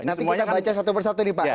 nanti kita baca satu persatu nih pak